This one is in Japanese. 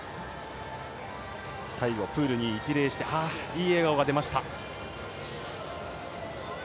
最後、プールに一礼していい笑顔が出ました。